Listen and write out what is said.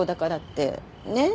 ねえ？